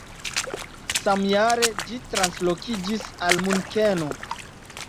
Samjare ĝi translokiĝis al Munkeno.